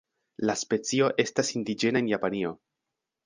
La specio estas indiĝena en Japanio.